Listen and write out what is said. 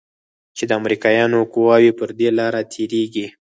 چې د امريکايانو قواوې پر دې لاره تېريږي.